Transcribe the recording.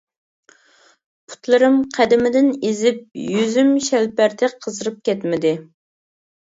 پۇتلىرىم قەدىمىدىن ئېزىپ، يۈزۈم شەلپەردەك قىزىرىپ كەتمىدى.